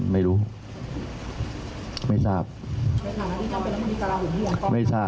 ไม่มีปัญหา